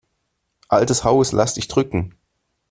Altes Haus, lass dich drücken!